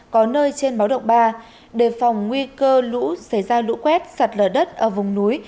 có nơi trên báo động ba đề phòng nguy cơ lũ xảy ra lũ quét sạt lở đất ở vùng núi